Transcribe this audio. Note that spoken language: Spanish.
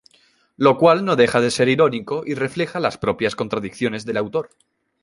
Lo cual no deja de ser irónico y refleja las propias contradicciones del autor.